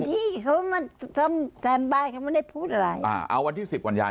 ที่เขามาซ่อมแซมบ้านเขาไม่ได้พูดอะไรอ่าเอาวันที่สิบกันยายน